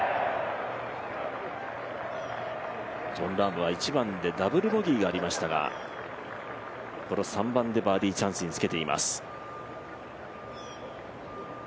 ジョン・ラームは１番でダブルボギーがありましたがこの３番でバーディーチャンスにつけています。